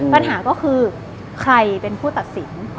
ปัญหาก็คือใครเป็นผู้ตัดสิน